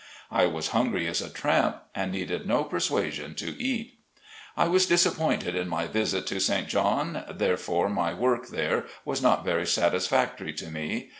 I was hungry as a tramp, and needed no persuasion to eat. I was disappointed in my visit to St. John, therefore my work there was not very satisfactory to me.